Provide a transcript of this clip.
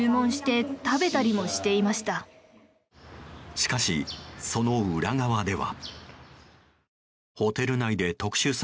しかし、その裏側では。